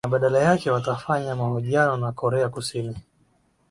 na badala yake watafanya mahojiano na korea kusini